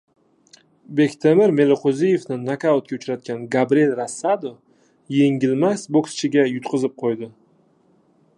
Bektemir Meliqo‘ziyevni nokautga uchratgan Gabriel Rosado yengilmas bokschiga yutqazib qo‘ydi